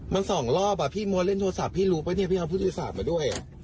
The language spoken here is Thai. มันสองรอบอ่ะพี่มัวเล่นโทรศัพท์พี่รู้ป่ะเนี่ยพี่เอาผู้โดยสารมาด้วย